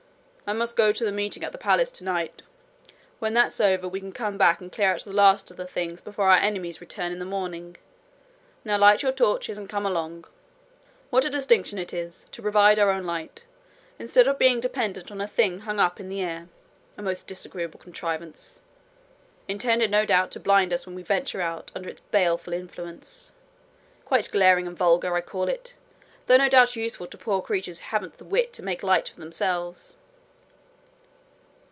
I must go to the meeting at the palace tonight. When that's over, we can come back and clear out the last of the things before our enemies return in the morning. Now light your torches, and come along. What a distinction it is, to provide our own light, instead of being dependent on a thing hung up in the air a most disagreeable contrivance intended no doubt to blind us when we venture out under its baleful influence! Quite glaring and vulgar, I call it, though no doubt useful to poor creatures who haven't the wit to make light for themselves.'